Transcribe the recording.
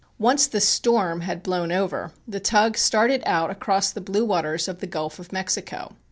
Once the "storm" had blown over, the tug started out across the blue waters of the Gulf of Mexico.